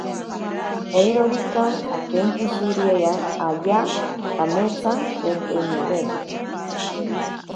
Eirorika akenkishirea ayaa kametsa sheeteniwe.